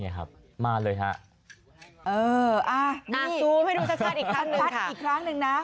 นี่ครับมาเลยฮะเอออ่านี่ซูมให้ดูชัดอีกครั้งหนึ่งชัดอีกครั้งหนึ่งนะ